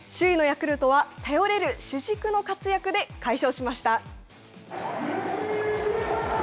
ヤクルトは頼れる主軸の活躍で快勝しました。